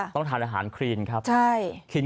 ต้องทานอาหารครีนครับ